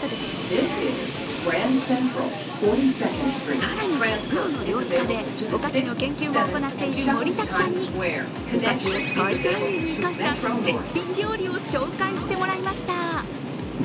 更に、プロの料理家でお菓子の研究も行っている森崎さんにお菓子を最大限に生かした絶品料理を紹介してもらいました。